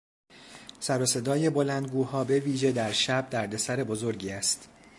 سروصدای بلندگوها به ویژه در شب دردسر بزرگی است.